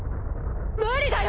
無理だよ！